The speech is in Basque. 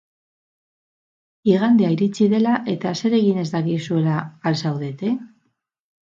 Igandea iritsi dela eta zer egin ez dakizuela al zaudete?